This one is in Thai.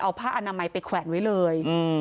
เอาผ้าอนามัยไปแขวนไว้เลย